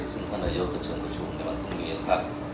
ซึ่งธนโยชน์จัดเชิญประชุมในวันพรุ่งนี้ครับ